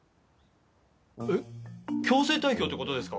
えっ強制退去って事ですか？